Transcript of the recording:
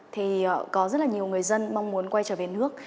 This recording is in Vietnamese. thì có rất là nhiều người dân mong muốn quay trở về nước